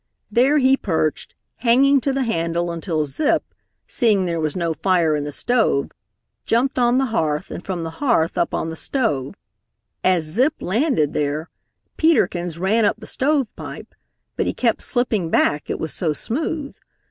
There he perched, hanging to the handle until Zip, seeing there was no fire in the stove, jumped on the hearth and from the hearth up on the stove. As Zip landed there, Peter Kins ran up the stove pipe, but he kept slipping back, it was so smooth.